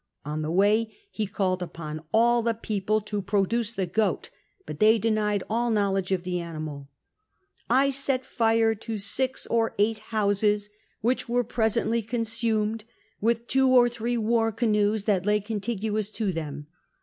On the way he called upon all the people to produce the goat, but they denied all know ledge of the animal. " I set fire to six or eight hoiiscs, which were presently consumed, with two or three war canoes that lay contiguous to them.